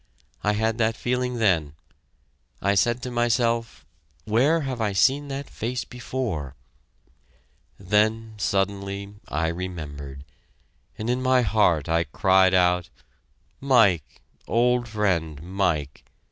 I had that feeling then.... I said to myself: "Where have I seen that face before?" ... Then, suddenly, I remembered, and in my heart I cried out: "Mike! old friend, Mike!